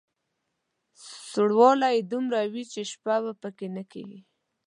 سوړوالی یې دومره وي چې شپه په کې نه کېږي.